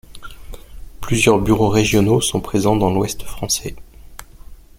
Plusieurs bureaux régionaux sont présents dans l'Ouest français.